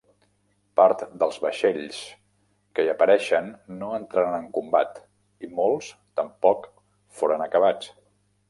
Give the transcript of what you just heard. Part dels vaixells que hi apareixen no entraren en combat i molts tampoc foren acabats.